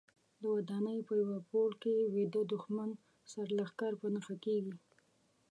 د ودانۍ په یوه پوړ کې ویده دوښمن سرلښکر په نښه کېږي.